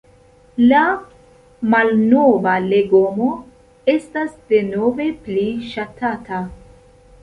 La „malnova legomo“ estas denove pli ŝatata.